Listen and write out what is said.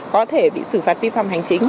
có thể bị xử phạt vi phạm hành chính